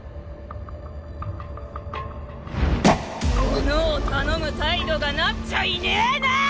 ものを頼む態度がなっちゃいねえなぁ！